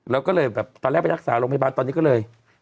แล้วก็เลยแบบตอนแรกไปรักษาโรงพยาบาลตอนนี้ก็เลย